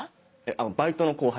バイトの後輩。